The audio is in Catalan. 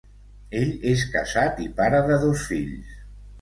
Ell és casat i pare de dos fills.